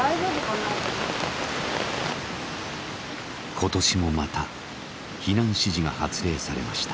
今年もまた避難指示が発令されました。